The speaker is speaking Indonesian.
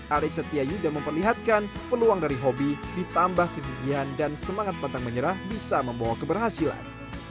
ari setia yuda memperlihatkan peluang dari hobi ditambah kegigihan dan semangat pantang menyerah bisa membawa keberhasilan